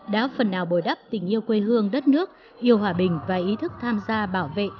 đã phần nào bồi đắp tình yêu quê hương đất nước yêu hòa bình và ý thức tham gia bảo vệ